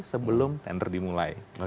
sebelum tender dimulai